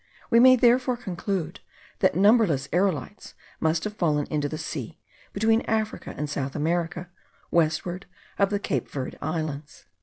We may therefore conclude, that numberless aerolites must have fallen into the sea, between Africa and South America, westward of the Cape Verd Islands.